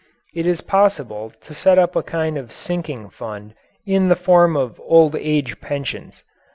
It is possible to set up a kind of sinking fund in the form of old age pensions.